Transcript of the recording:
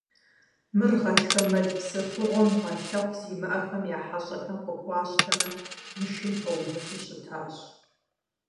Мыр гъатхэ мэл псэфыгъуэм гъэлъэхъу зимыӀэхэм я хьэщӀэхэм къыхуащтэмэ, нышым пэувыфу щытащ.